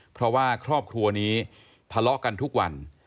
เพราะว่าครอบครัวนี้ทะเลาะกันทุกวัน